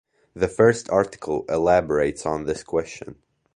The first article elaborates on this question.